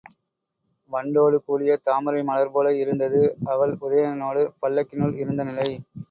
வண்டோடு கூடிய தாமரை மலர்போல இருந்தது அவள் உதயணனோடு பல்லக்கினுள் இருந்த நிலை.